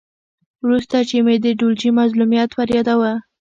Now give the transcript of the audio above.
ورسته چې مې د ډولچي مظلومیت وریاداوه.